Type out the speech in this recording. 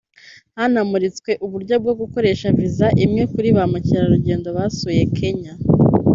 Hanamuritswe uburyo bwo gukoresha Visa imwe kuri ba mukerarugendo basuye Kenya